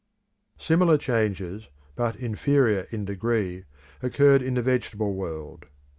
Similar changes, but inferior in degree, occurred in the vegetable world.